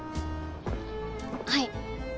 はい。